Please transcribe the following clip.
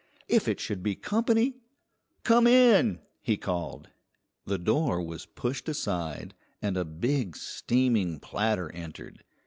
If it should be company! "Come in!" he called. The door was pushed aside and a big, steaming platter entered.